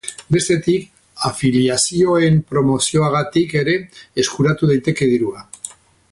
Bestetik, afiliazioen promozioagatik ere eskuratu daiteke dirua.